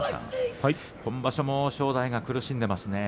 今場所も正代が苦しんでいますね。